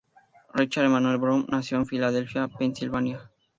Ricardo Emmanuel Brown nació en Filadelfia, Pensilvania.